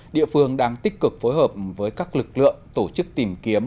địa phương đang tích cực phối hợp với các lực lượng tổ chức tìm kiếm